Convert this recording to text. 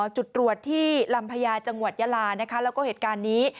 จุดตรวจที่ลำพญาจังหวัดยาลานะคะแล้วก็เหตุการณ์นี้